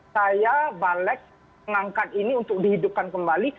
saya balik mengangkat ini untuk dihidupkan kembali